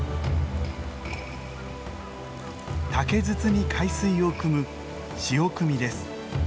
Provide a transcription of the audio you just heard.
竹筒に海水を汲む潮汲みです。